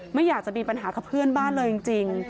ไม่อยากจะมีปัญหากับเพื่อนบ้านเลยจริง